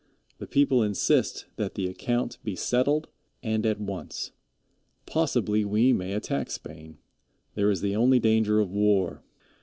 The people insist that the account be settled and at once. Possibly we may attack Spain. There is the only danger of war.